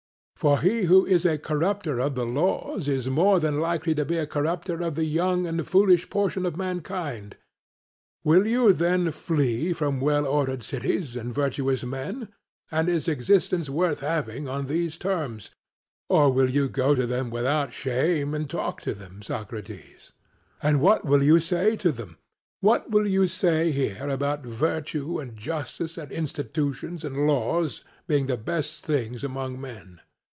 For he who is a corrupter of the laws is more than likely to be a corrupter of the young and foolish portion of mankind. Will you then flee from well ordered cities and virtuous men? and is existence worth having on these terms? Or will you go to them without shame, and talk to them, Socrates? And what will you say to them? What you say here about virtue and justice and institutions and laws being the best things among men?